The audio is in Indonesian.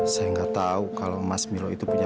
makanya langsung dia yang mau pergi